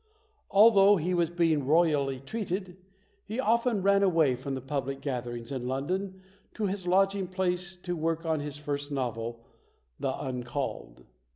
Although he was being royally treated, he often ran away from the public gatherings in London to his lodging place to work on his first novel, "The Uncalled".